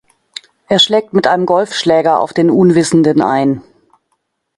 Er schlägt mit einem Golfschläger auf den Unwissenden ein.